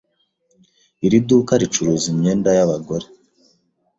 Iri duka ricuruza imyenda yabagore.